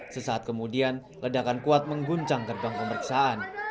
sesaat kemudian ledakan kuat mengguncang gerbang pemeriksaan